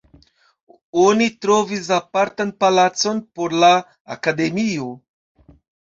Oni trovis apartan palacon por la akademio.